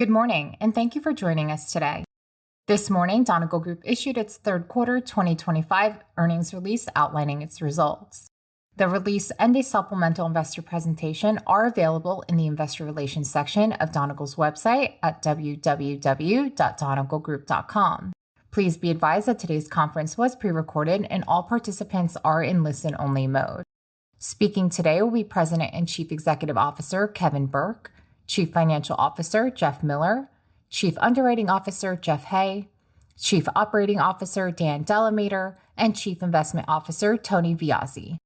Good morning, and thank you for joining us today. This morning, Donegal Group issued its Q3 2025 earnings release outlining its results. The release and a supplemental investor presentation are available in the Investor Relations section of Donegal's website at www.donegalgroup.com. Please be advised that today's conference was pre-recorded, and all participants are in listen-only mode. Speaking today will be President and Chief Executive Officer Kevin Burke, Chief Financial Officer Jeff Miller, Chief Underwriting Officer Jeff Hay, Chief Operating Officer Dan DeLamater, and Chief Investment Officer Tony Viozzi.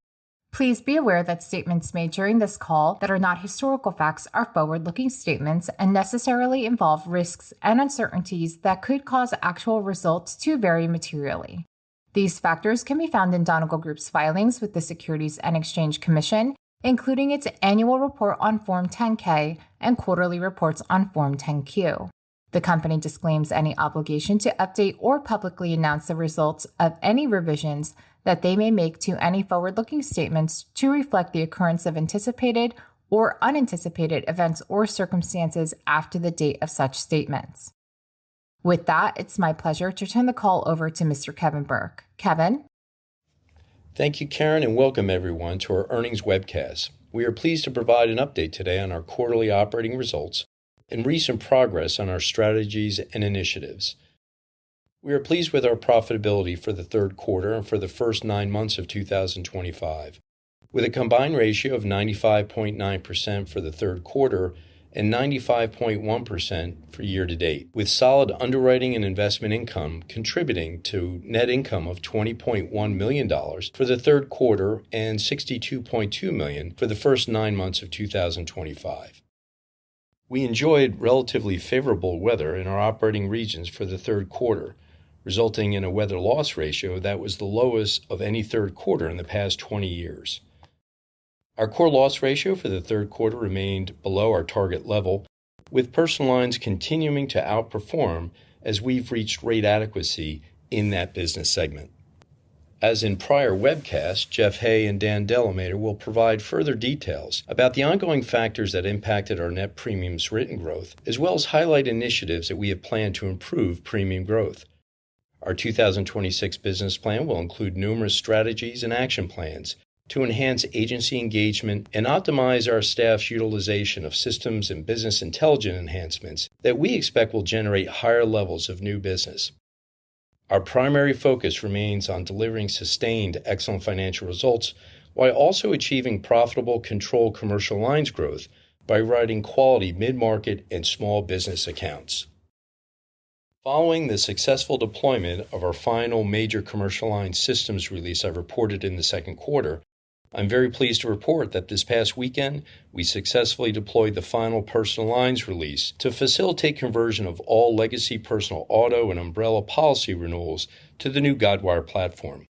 Please be aware that statements made during this call that are not historical facts are forward-looking statements and necessarily involve risks and uncertainties that could cause actual results to vary materially. These factors can be found in Donegal Group's filings with the Securities and Exchange Commission, including its annual report on Form 10-K and quarterly reports on Form 10-Q. The company disclaims any obligation to update or publicly announce the results of any revisions that they may make to any forward-looking statements to reflect the occurrence of anticipated or unanticipated events or circumstances after the date of such statements. With that, it's my pleasure to turn the call over to Mr. Kevin Burke. Kevin. Thank you, Karen, and welcome everyone to our earnings webcast. We are pleased to provide an update today on our quarterly operating results and recent progress on our strategies and initiatives. We are pleased with our profitability for the Q3 and for the first nine months of 2025, with a combined ratio of 95.9% for the Q3 and 95.1% for year to date, with solid underwriting and investment income contributing to a net income of $20.1 million for the Q3 and $62.2 million for the first nine months of 2025. We enjoyed relatively favorable weather in our operating regions for the Q3, resulting in a weather loss ratio that was the lowest of any Q3 in the past 20 years. Our core loss ratio for the Q3 remained below our target level, with personal lines continuing to outperform as we've reached rate adequacy in that business segment. As in prior webcasts, Jeff Hay and Dan DeLamater will provide further details about the ongoing factors that impacted our net premiums written growth, as well as highlight initiatives that we have planned to improve premium growth. Our 2026 business plan will include numerous strategies and action plans to enhance agency engagement and optimize our staff's utilization of systems and business intelligence enhancements that we expect will generate higher levels of new business. Our primary focus remains on delivering sustained excellent financial results while also achieving profitable, controlled commercial lines growth by writing quality mid-market and small business accounts. Following the successful deployment of our final major commercial line systems release I've reported in the Q2, I'm very pleased to report that this past weekend we successfully deployed the final personal lines release to facilitate conversion of all legacy personal auto and umbrella policy renewals to the new Guidewire platform.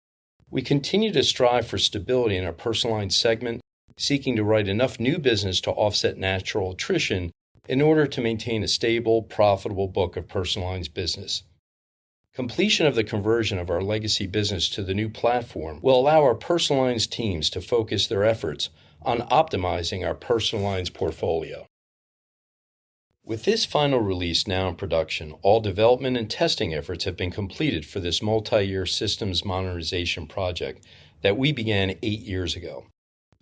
We continue to strive for stability in our personal line segment, seeking to write enough new business to offset natural attrition in order to maintain a stable, profitable book of personal lines business. Completion of the conversion of our legacy business to the new platform will allow our personal lines teams to focus their efforts on optimizing our personal lines portfolio. With this final release now in production, all development and testing efforts have been completed for this multi-year systems modernization project that we began eight years ago.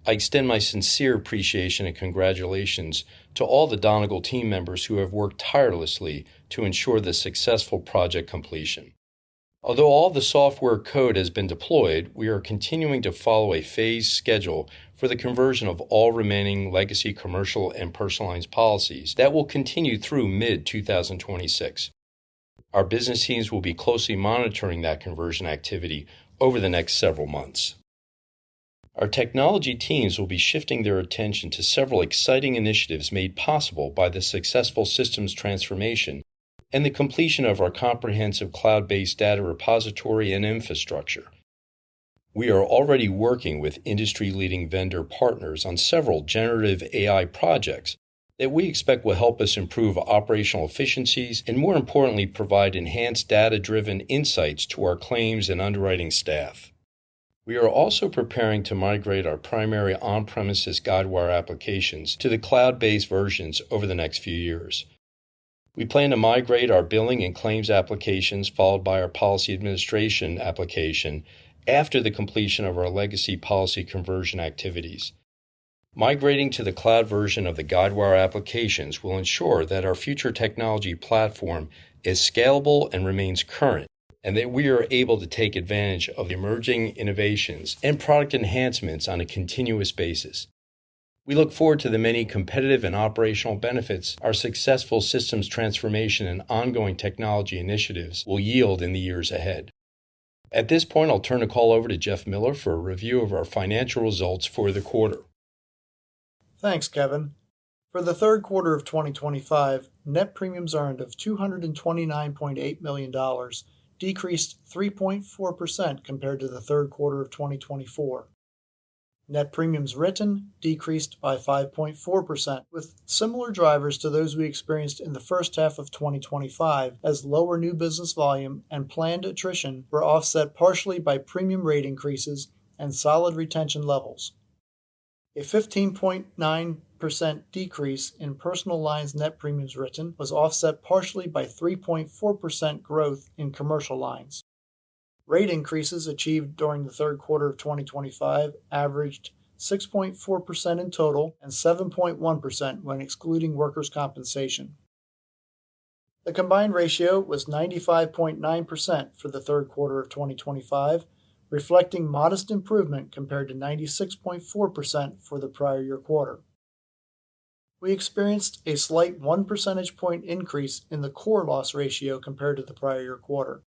I extend my sincere appreciation and congratulations to all the Donegal team members who have worked tirelessly to ensure the successful project completion. Although all the software code has been deployed, we are continuing to follow a phased schedule for the conversion of all remaining legacy commercial and personal lines policies that will continue through mid-2026. Our business teams will be closely monitoring that conversion activity over the next several months. Our technology teams will be shifting their attention to several exciting initiatives made possible by the successful systems transformation and the completion of our comprehensive cloud-based data repository and infrastructure. We are already working with industry-leading vendor partners on several generative AI projects that we expect will help us improve operational efficiencies and, more importantly, provide enhanced data-driven insights to our claims and underwriting staff. We are also preparing to migrate our primary on-premises Guidewire applications to the cloud-based versions over the next few years. We plan to migrate our billing and claims applications, followed by our policy administration application, after the completion of our legacy policy conversion activities. Migrating to the cloud version of the Guidewire applications will ensure that our future technology platform is scalable and remains current, and that we are able to take advantage of emerging innovations and product enhancements on a continuous basis. We look forward to the many competitive and operational benefits our successful systems transformation and ongoing technology initiatives will yield in the years ahead. At this point, I'll turn the call over to Jeff Miller for a review of our financial results for the quarter. Thanks, Kevin. For the Q3 of 2025, net premiums earned of $229.8 million decreased 3.4% compared to the Q3 of 2024. Net premiums written decreased by 5.4%, with similar drivers to those we experienced in the first half of 2025, as lower new business volume and planned attrition were offset partially by premium rate increases and solid retention levels. A 15.9% decrease in personal lines net premiums written was offset partially by 3.4% growth in commercial lines. Rate increases achieved during the Q3 of 2025 averaged 6.4% in total and 7.1% when excluding workers' compensation. The combined ratio was 95.9% for the Q3 of 2025, reflecting modest improvement compared to 96.4% for the prior year quarter. We experienced a slight one percentage point increase in the core loss ratio compared to the prior year quarter.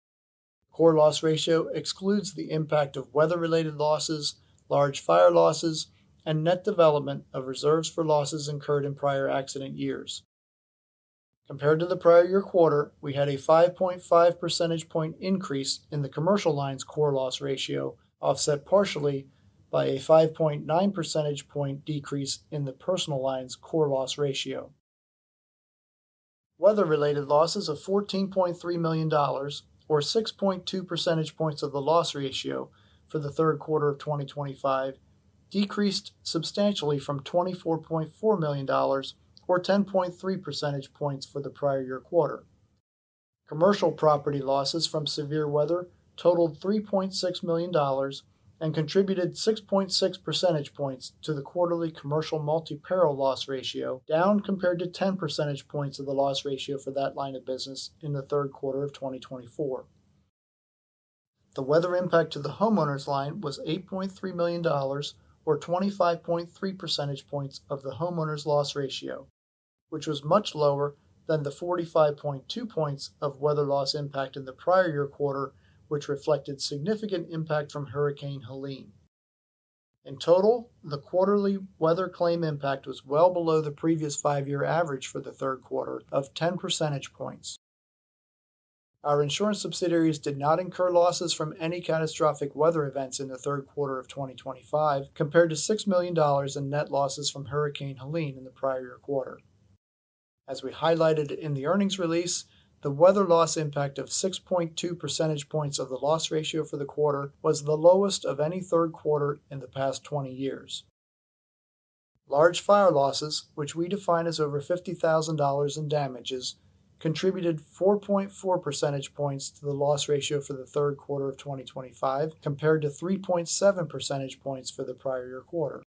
Core loss ratio excludes the impact of weather-related losses, large fire losses, and net development of reserves for losses incurred in prior accident years. Compared to the prior year quarter, we had a 5.5 percentage point increase in the commercial lines core loss ratio, offset partially by a 5.9 percentage point decrease in the personal lines core loss ratio. Weather-related losses of $14.3 million, or 6.2 percentage points of the loss ratio for the Q3 of 2025, decreased substantially from $24.4 million, or 10.3 percentage points for the prior year quarter. Commercial property losses from severe weather totaled $3.6 million and contributed 6.6 percentage points to the quarterly commercial multi-peril loss ratio, down compared to 10 percentage points of the loss ratio for that line of business in the Q3 of 2024. The weather impact to the homeowners' line was $8.3 million, or 25.3 percentage points of the homeowners' loss ratio, which was much lower than the 45.2 points of weather loss impact in the prior year quarter, which reflected significant impact from Hurricane Helene. In total, the quarterly weather claim impact was well below the previous five-year average for the Q3 of 10 percentage points. Our insurance subsidiaries did not incur losses from any catastrophic weather events in the Q3 of 2025, compared to $6 million in net losses from Hurricane Helene in the prior year quarter. As we highlighted in the earnings release, the weather loss impact of 6.2 percentage points of the loss ratio for the quarter was the lowest of any Q3 in the past 20 years. Large fire losses, which we define as over $50,000 in damages, contributed 4.4 percentage points to the loss ratio for the Q3 of 2025, compared to 3.7 percentage points for the prior year quarter.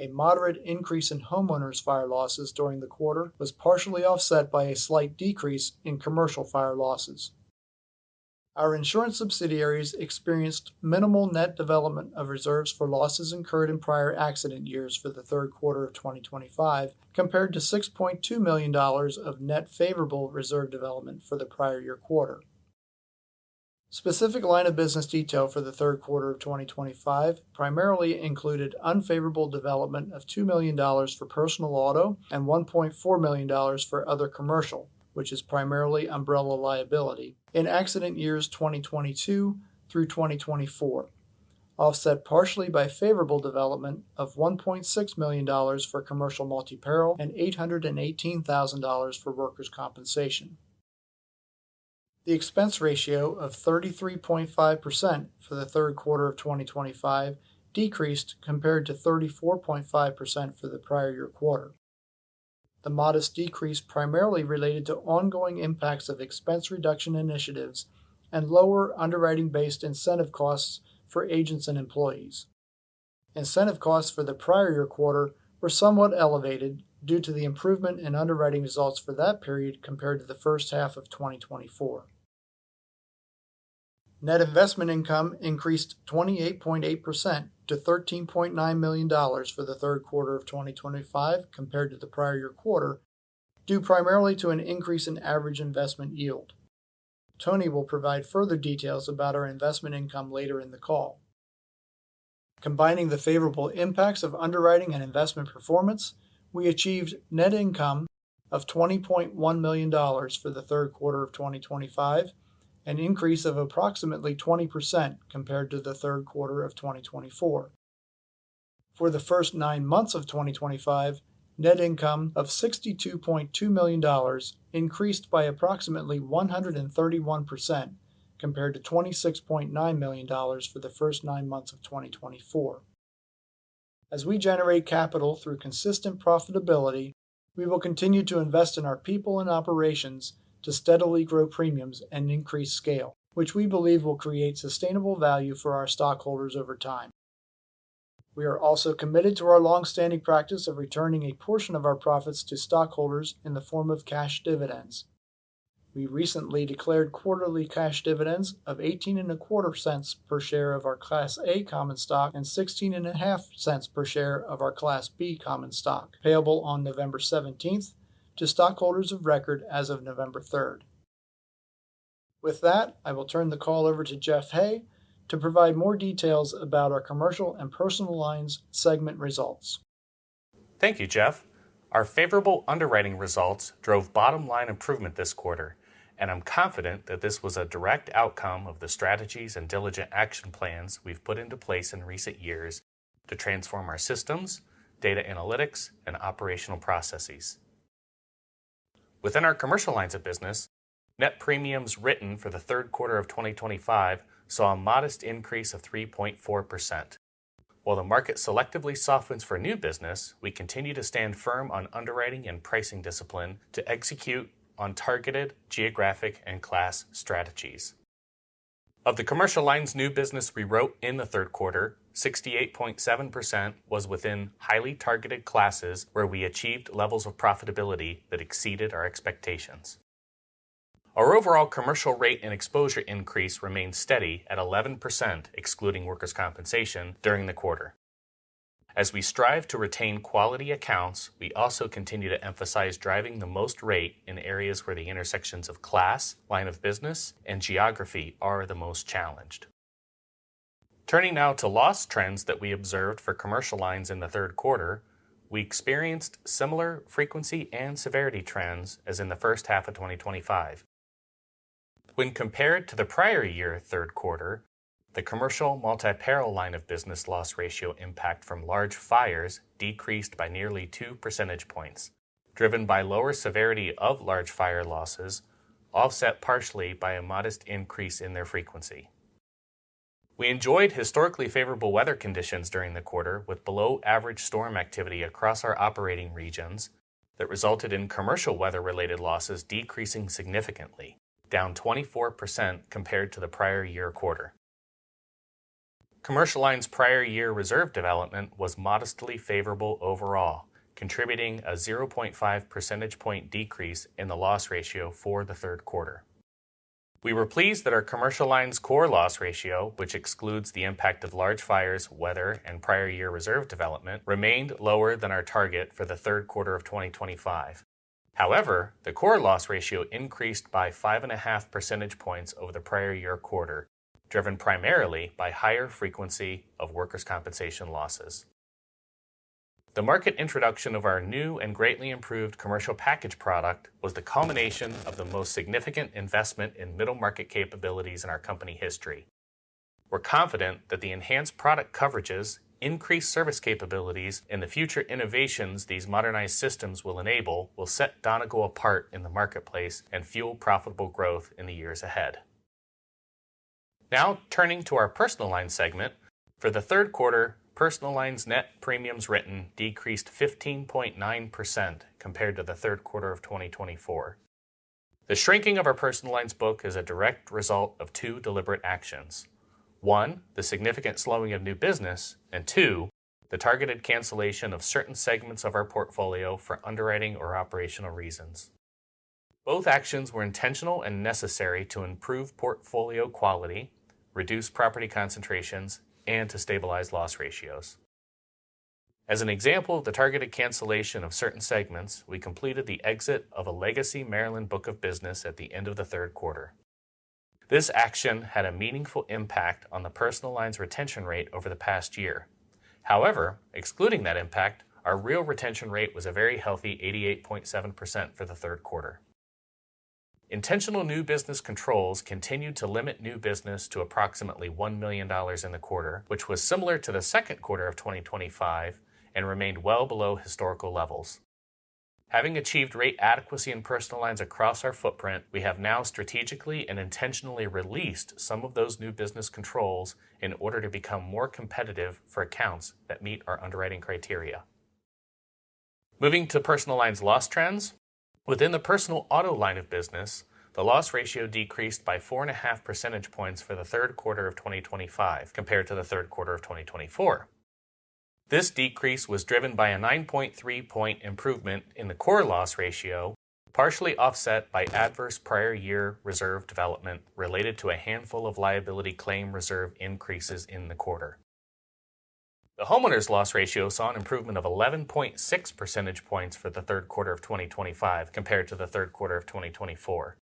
A moderate increase in homeowners' fire losses during the quarter was partially offset by a slight decrease in commercial fire losses. Our insurance subsidiaries experienced minimal net development of reserves for losses incurred in prior accident years for the Q3 of 2025, compared to $6.2 million of net favorable reserve development for the prior year quarter. Specific line of business detail for the Q3 of 2025 primarily included unfavorable development of $2 million for personal auto and $1.4 million for other commercial, which is primarily umbrella liability, in accident years 2022 through 2024, offset partially by favorable development of $1.6 million for commercial multi-peril and $818,000 for workers' compensation. The expense ratio of 33.5% for the Q3 of 2025 decreased compared to 34.5% for the prior year quarter. The modest decrease primarily related to ongoing impacts of expense reduction initiatives and lower underwriting-based incentive costs for agents and employees. Incentive costs for the prior year quarter were somewhat elevated due to the improvement in underwriting results for that period compared to the first half of 2024. Net investment income increased 28.8% to $13.9 million for the Q3 of 2025 compared to the prior year quarter, due primarily to an increase in average investment yield. Tony will provide further details about our investment income later in the call. Combining the favorable impacts of underwriting and investment performance, we achieved net income of $20.1 million for the Q3 of 2025, an increase of approximately 20% compared to the Q3 of 2024. For the first nine months of 2025, net income of $62.2 million increased by approximately 131% compared to $26.9 million for the first nine months of 2024. As we generate capital through consistent profitability, we will continue to invest in our people and operations to steadily grow premiums and increase scale, which we believe will create sustainable value for our stockholders over time. We are also committed to our long-standing practice of returning a portion of our profits to stockholders in the form of cash dividends. We recently declared quarterly cash dividends of $0.1825 per share of our Class A common stock and $0.165 per share of our Class B common stock, payable on November 17th to stockholders of record as of November 3rd. With that, I will turn the call over to Jeff Hay to provide more details about our commercial and personal lines segment results. Thank you, Jeff. Our favorable underwriting results drove bottom-line improvement this quarter, and I'm confident that this was a direct outcome of the strategies and diligent action plans we've put into place in recent years to transform our systems, data analytics, and operational processes. Within our commercial lines of business, net premiums written for the Q3 of 2025 saw a modest increase of 3.4%. While the market selectively softens for new business, we continue to stand firm on underwriting and pricing discipline to execute on targeted geographic and class strategies. Of the commercial lines' new business we wrote in the Q3, 68.7% was within highly targeted classes where we achieved levels of profitability that exceeded our expectations. Our overall commercial rate and exposure increase remained steady at 11%, excluding workers' compensation, during the quarter. As we strive to retain quality accounts, we also continue to emphasize driving the most rate in areas where the intersections of class, line of business, and geography are the most challenged. Turning now to loss trends that we observed for commercial lines in the Q3, we experienced similar frequency and severity trends as in the first half of 2025. When compared to the prior year Q3, the commercial multi-peril line of business loss ratio impact from large fires decreased by nearly 2 percentage points, driven by lower severity of large fire losses, offset partially by a modest increase in their frequency. We enjoyed historically favorable weather conditions during the quarter, with below-average storm activity across our operating regions that resulted in commercial weather-related losses decreasing significantly, down 24% compared to the prior year quarter. Commercial lines prior year reserve development was modestly favorable overall, contributing a 0.5 percentage point decrease in the loss ratio for the Q3. We were pleased that our commercial lines core loss ratio, which excludes the impact of large fires, weather, and prior year reserve development, remained lower than our target for the Q3 of 2025. However, the core loss ratio increased by 5.5 percentage points over the prior year quarter, driven primarily by higher frequency of workers' compensation losses. The market introduction of our new and greatly improved commercial package product was the culmination of the most significant investment in middle market capabilities in our company history. We're confident that the enhanced product coverages, increased service capabilities, and the future innovations these modernized systems will enable will set Donegal apart in the marketplace and fuel profitable growth in the years ahead. Now, turning to our personal lines segment, for the Q3, personal lines net premiums written decreased 15.9% compared to the Q3 of 2024. The shrinking of our personal lines book is a direct result of two deliberate actions: one, the significant slowing of new business, and two, the targeted cancellation of certain segments of our portfolio for underwriting or operational reasons. Both actions were intentional and necessary to improve portfolio quality, reduce property concentrations, and to stabilize loss ratios. As an example of the targeted cancellation of certain segments, we completed the exit of a legacy Maryland book of business at the end of the Q3. This action had a meaningful impact on the personal lines retention rate over the past year. However, excluding that impact, our real retention rate was a very healthy 88.7% for the Q3. Intentional new business controls continued to limit new business to approximately $1 million in the quarter, which was similar to the Q2 of 2025 and remained well below historical levels. Having achieved rate adequacy in personal lines across our footprint, we have now strategically and intentionally released some of those new business controls in order to become more competitive for accounts that meet our underwriting criteria. Moving to personal lines loss trends, within the personal auto line of business, the loss ratio decreased by 4.5 percentage points for the Q3 of 2025 compared to the Q3 of 2024. This decrease was driven by a 9.3-point improvement in the core loss ratio, partially offset by adverse prior year reserve development related to a handful of liability claim reserve increases in the quarter. The homeowners' loss ratio saw an improvement of 11.6 percentage points for the Q3 of 2025 compared to the Q3 of 2024.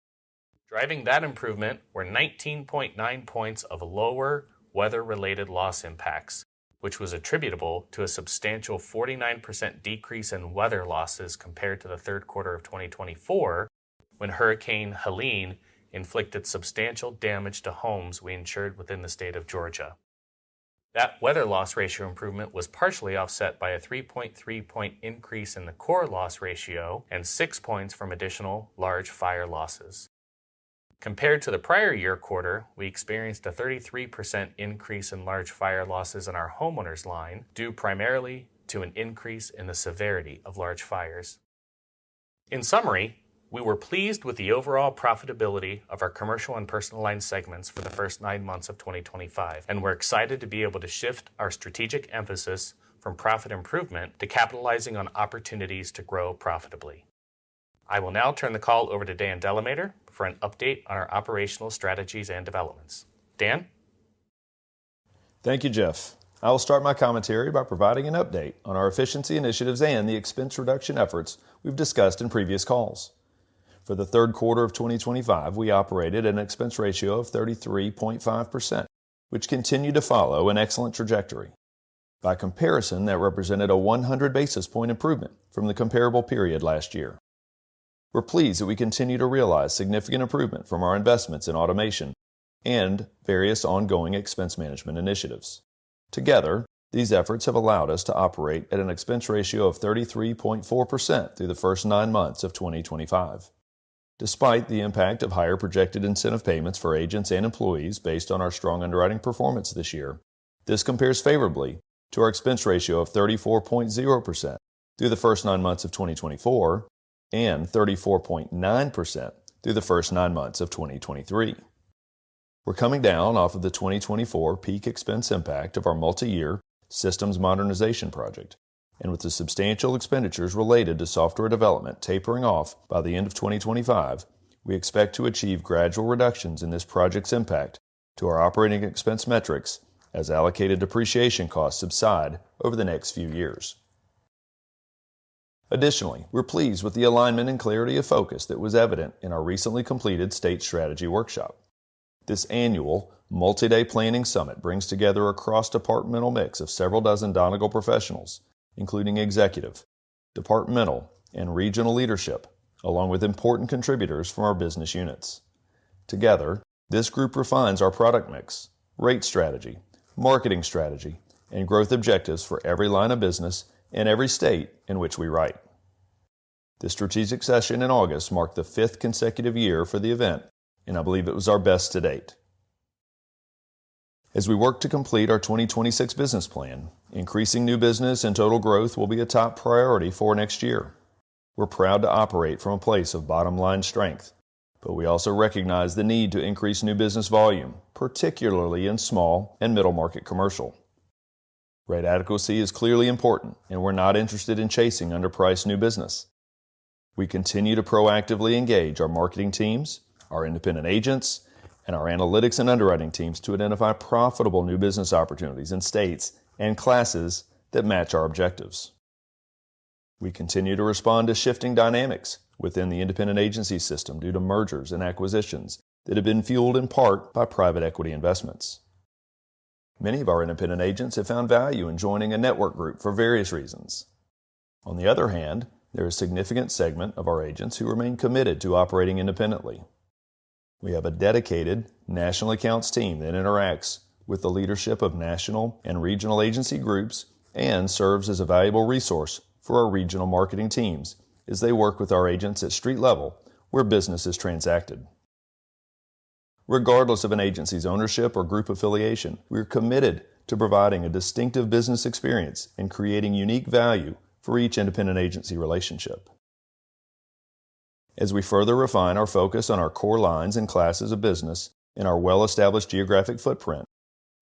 Driving that improvement were 19.9 points of lower weather-related loss impacts, which was attributable to a substantial 49% decrease in weather losses compared to the Q3 of 2024 when Hurricane Helene inflicted substantial damage to homes we insured within the state of Georgia. That weather loss ratio improvement was partially offset by a 3.3-point increase in the core loss ratio and 6 points from additional large fire losses. Compared to the prior year quarter, we experienced a 33% increase in large fire losses in our homeowners' line, due primarily to an increase in the severity of large fires. In summary, we were pleased with the overall profitability of our commercial and personal line segments for the first nine months of 2025, and we're excited to be able to shift our strategic emphasis from profit improvement to capitalizing on opportunities to grow profitably. I will now turn the call over to Dan DeLamater for an update on our operational strategies and developments. Dan. Thank you, Jeff. I'll start my commentary by providing an update on our efficiency initiatives and the expense reduction efforts we've discussed in previous calls. For the Q3 of 2025, we operated at an expense ratio of 33.5%, which continued to follow an excellent trajectory. By comparison, that represented a 100 basis points improvement from the comparable period last year. We're pleased that we continue to realize significant improvement from our investments in automation and various ongoing expense management initiatives. Together, these efforts have allowed us to operate at an expense ratio of 33.4% through the first nine months of 2025. Despite the impact of higher projected incentive payments for agents and employees based on our strong underwriting performance this year, this compares favorably to our expense ratio of 34.0% through the first nine months of 2024 and 34.9% through the first nine months of 2023. We're coming down off of the 2024 peak expense impact of our multi-year systems modernization project, and with the substantial expenditures related to software development tapering off by the end of 2025, we expect to achieve gradual reductions in this project's impact to our operating expense metrics as allocated depreciation costs subside over the next few years. Additionally, we're pleased with the alignment and clarity of focus that was evident in our recently completed State Strategy Workshop. This annual multi-day planning summit brings together a cross-departmental mix of several dozen Donegal professionals, including executive, departmental, and regional leadership, along with important contributors from our business units. Together, this group refines our product mix, rate strategy, marketing strategy, and growth objectives for every line of business and every state in which we write. The strategic session in August marked the fifth consecutive year for the event, and I believe it was our best to date. As we work to complete our 2026 business plan, increasing new business and total growth will be a top priority for next year. We're proud to operate from a place of bottom-line strength, but we also recognize the need to increase new business volume, particularly in small and middle-market commercial. Rate adequacy is clearly important, and we're not interested in chasing underpriced new business. We continue to proactively engage our marketing teams, our independent agents, and our analytics and underwriting teams to identify profitable new business opportunities in states and classes that match our objectives. We continue to respond to shifting dynamics within the independent agency system due to mergers and acquisitions that have been fueled in part by private equity investments. Many of our independent agents have found value in joining a network group for various reasons. On the other hand, there is a significant segment of our agents who remain committed to operating independently. We have a dedicated national accounts team that interacts with the leadership of national and regional agency groups and serves as a valuable resource for our regional marketing teams as they work with our agents at street level, where business is transacted. Regardless of an agency's ownership or group affiliation, we are committed to providing a distinctive business experience and creating unique value for each independent agency relationship. As we further refine our focus on our core lines and classes of business and our well-established geographic footprint,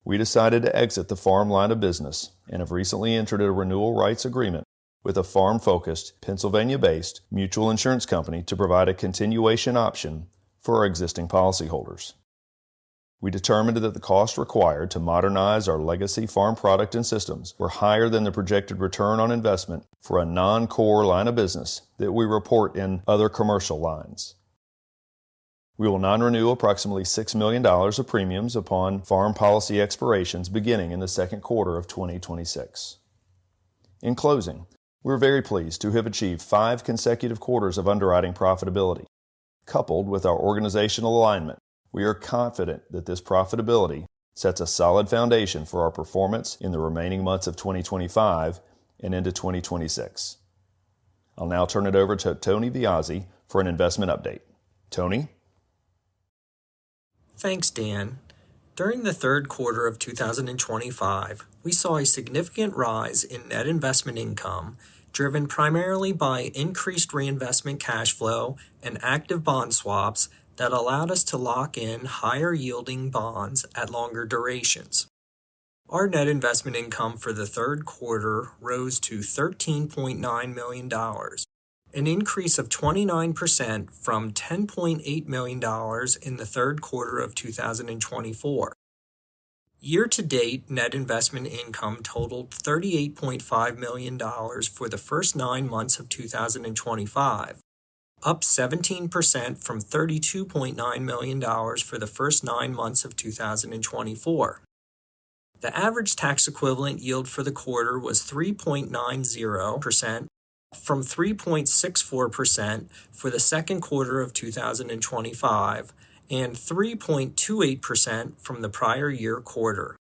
we decided to exit the farm line of business and have recently entered a renewal rights agreement with a farm-focused, Pennsylvania-based mutual insurance company to provide a continuation option for our existing policyholders. We determined that the cost required to modernize our legacy farm product and systems were higher than the projected return on investment for a non-core line of business that we report in other commercial lines. We will now renew approximately $6 million of premiums upon farm policy expirations beginning in the Q2 of 2026. In closing, we're very pleased to have achieved five consecutive quarters of underwriting profitability. Coupled with our organizational alignment, we are confident that this profitability sets a solid foundation for our performance in the remaining months of 2025 and into 2026. I'll now turn it over to Tony Viozzi for an investment update. Tony? Thanks, Dan. During the Q3 of 2025, we saw a significant rise in net investment income driven primarily by increased reinvestment cash flow and active bond swaps that allowed us to lock in higher-yielding bonds at longer durations. Our net investment income for the Q3 rose to $13.9 million, an increase of 29% from $10.8 million in the Q3 of 2024. Year-to-date net investment income totaled $38.5 million for the first nine months of 2025, up 17% from $32.9 million for the first nine months of 2024. The average tax-equivalent yield for the quarter was 3.90% from 3.64% for the Q2 of 2025 and 3.28% from the prior year quarter.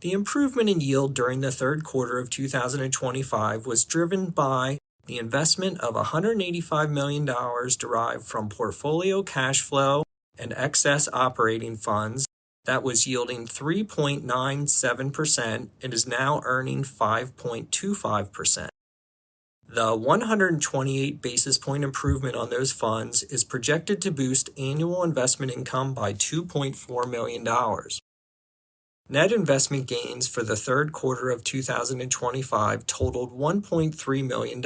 The improvement in yield during the Q3 of 2025 was driven by the investment of $185 million derived from portfolio cash flow and excess operating funds that was yielding 3.97% and is now earning 5.25%. The 128 basis point improvement on those funds is projected to boost annual investment income by $2.4 million. Net investment gains for the Q3 of 2025 totaled $1.3 million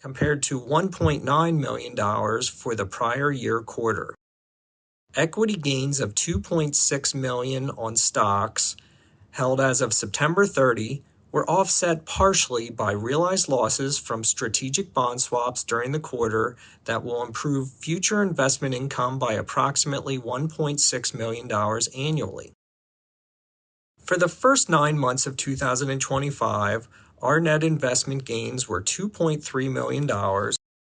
compared to $1.9 million for the prior year quarter. Equity gains of $2.6 million on stocks held as of September 30, were offset partially by realized losses from strategic bond swaps during the quarter that will improve future investment income by approximately $1.6 million annually. For the first nine months of 2025, our net investment gains were $2.3 million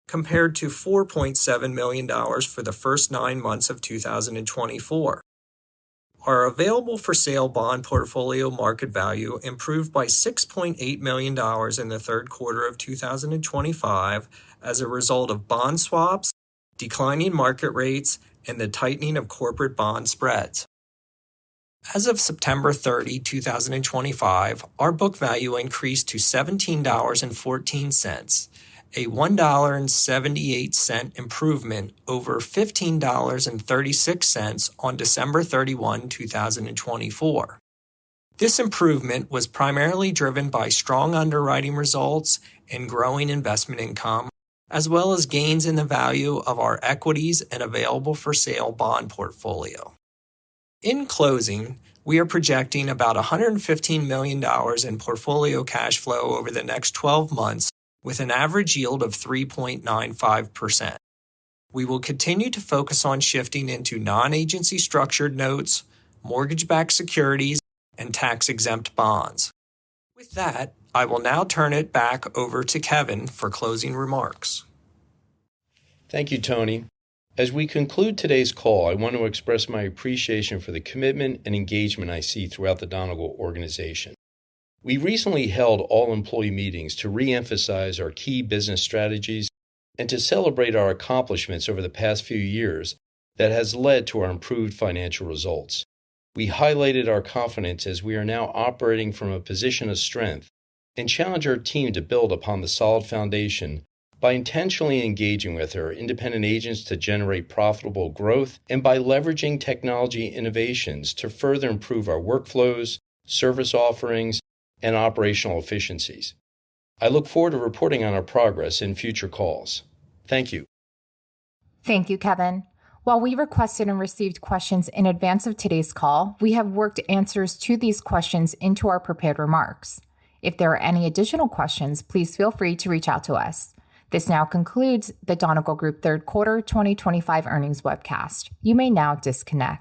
compared to $4.7 million for the first nine months of 2024. Our available-for-sale bond portfolio market value improved by $6.8 million in the Q3 of 2025 as a result of bond swaps, declining market rates, and the tightening of corporate bond spreads. As of September 30, 2025, our book value increased to $17.14, a $1.78 improvement over $15.36 on December 31, 2024. This improvement was primarily driven by strong underwriting results and growing investment income, as well as gains in the value of our equities and available-for-sale bond portfolio. In closing, we are projecting about $115 million in portfolio cash flow over the next 12 months with an average yield of 3.95%. We will continue to focus on shifting into non-agency structured notes, mortgage-backed securities, and tax-exempt bonds. With that, I will now turn it back over to Kevin for closing remarks. Thank you, Tony. As we conclude today's call, I want to express my appreciation for the commitment and engagement I see throughout the Donegal organization. We recently held all-employee meetings to re-emphasize our key business strategies and to celebrate our accomplishments over the past few years that have led to our improved financial results. We highlighted our confidence as we are now operating from a position of strength and challenged our team to build upon the solid foundation by intentionally engaging with our independent agents to generate profitable growth and by leveraging technology innovations to further improve our workflows, service offerings, and operational efficiencies. I look forward to reporting on our progress in future calls. Thank you. Thank you, Kevin. While we requested and received questions in advance of today's call, we have worked answers to these questions into our prepared remarks. If there are any additional questions, please feel free to reach out to us. This now concludes the Donegal Group Q3 2025 earnings webcast. You may now disconnect.